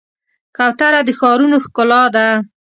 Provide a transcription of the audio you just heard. کوتره د ښارونو ښکلا ده.